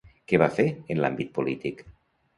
Què va fer en l'àmbit polític?